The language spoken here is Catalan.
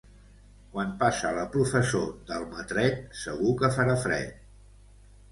Quan passa la professó d'Almatret, segur que farà fred.